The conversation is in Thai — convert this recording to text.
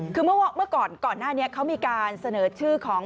คือเมื่อก่อนก่อนหน้านี้เขามีการเสนอชื่อของ